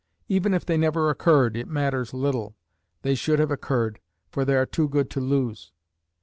Even if they never occurred, it matters little. They should have occurred, for they are too good to lose.